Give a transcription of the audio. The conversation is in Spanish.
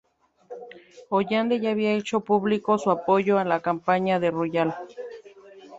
Hollande ya había hecho público su apoyo a la campaña de Royal.